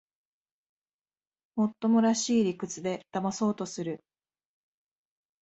もっともらしい理屈でだまそうとする